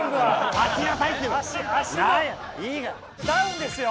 ダウンですよ。